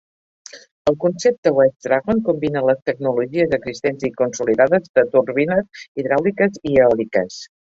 El concepte Wave Dragon combina les tecnologies existents i consolidades de turbines hidràuliques i eòliques.